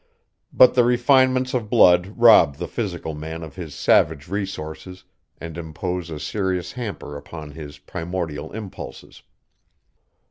But the refinements of blood rob the physical man of his savage resources and impose a serious hamper upon his primordial impulses.